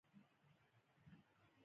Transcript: مځکه د ککړتیا له امله ناروغه کېږي.